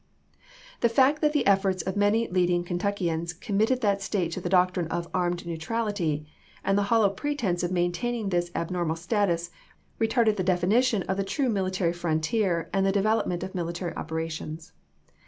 The fact that the efforts of many leading Ken tuckians committed that State to the doctrine of " armed neutrahty," and the hollow pretense of maintaining this abnormal status, retarded the def inition of the true military frontier and the devel opment of military operations.